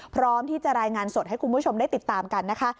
พร้อมที่จะรายงานสดให้คุณผู้ชมได้ติดตามกันนะคะ